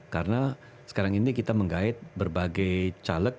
karena sekarang ini kita menggayet berbagai caleg